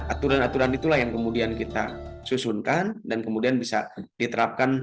aturan aturan itulah yang kemudian kita susunkan dan kemudian bisa diterapkan